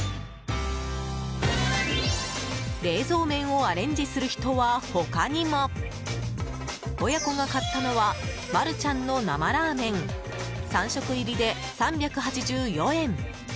冷蔵麺をアレンジする人は他にも。親子が買ったのはマルちゃんの生ラーメン３食入りで３８４円。